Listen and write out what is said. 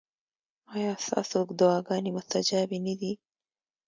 ایا ستاسو دعاګانې مستجابې نه دي؟